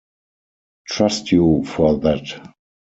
Trust you for that!